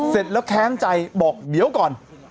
เสร็จแล้วแค้นใจบอกเดี๋ยวก่อน